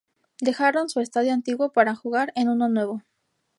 Dejaron su estadio antiguo para jugar en uno nuevo.